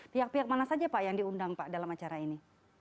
pihak pihak mana saja pak yang diundang pak dalam acara ini